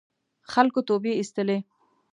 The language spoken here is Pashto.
خلکو توبې اېستلې.